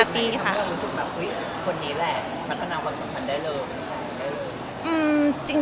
คุณนี้แหละพัฒนาวันสำคัญได้เริ่ม